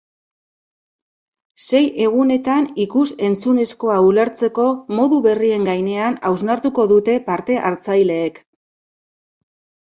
Sei egunetan ikus-entzunezkoa ulertzeko modu berrien gainean hausnartuko dute parte-hartzaileek.